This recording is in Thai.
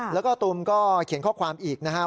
แล้วก็ตูมก็เขียนข้อความอีกนะครับ